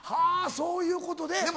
そういうことで。